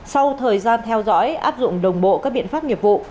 sau thời gian theo dõi áp dụng đồng bộ các biện pháp nghiệp vụ